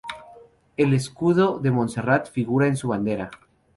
El escudo de Montserrat figura en su bandera.